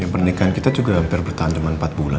pernikahan kita juga hampir bertahan cuma empat bulan